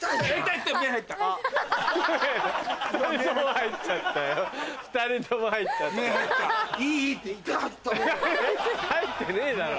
入ってねえだろ。